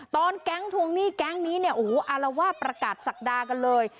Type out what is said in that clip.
ตอนแก๊งทวงหนี้แก๊งนี้อาลาว่าประกาศศักดากันเลย